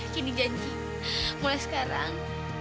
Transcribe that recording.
candy janji mulai sekarang